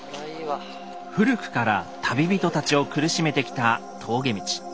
古くから旅人たちを苦しめてきた峠道。